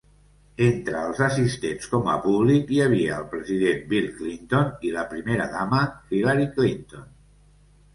Entre els assistents com a públic hi havia el president Bill Clinton i la primera dama Hillary Clinton.